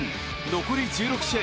残り１６試合